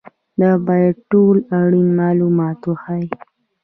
دا باید ټول اړین معلومات وښيي.